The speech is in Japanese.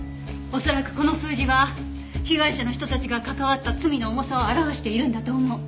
恐らくこの数字は被害者の人たちが関わった罪の重さを表しているんだと思う。